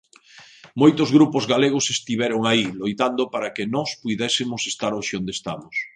Moitos grupos galegos estiveron aí, loitando para que nós puidésemos estar hoxe onde estamos.